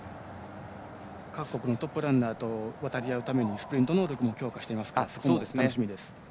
各国のトップランナーと渡り合うためにスプリント能力も強化していますから楽しみです。